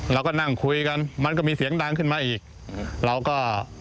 เราก็นั่งคุยกันมันก็มีเสียงดังขึ้นมาอีกเราก็